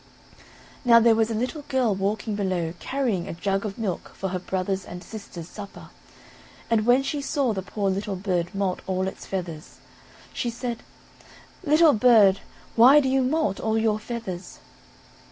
Now there was a little girl walking below, carrying a jug of milk for her brothers and sisters' supper, and when she saw the poor little bird moult all its feathers, she said: "Little bird, why do you moult all your feathers?"